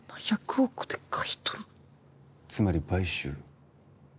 つまり買収。